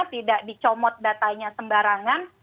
tidak dicomot datanya sembarangan